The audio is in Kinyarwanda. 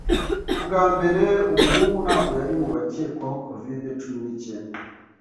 Ubwa mbere, umuhungu ntago yari mubakekwaho covid cumi n'icyenda.